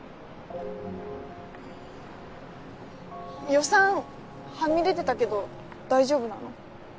予算はみ出てたけど大丈夫なの？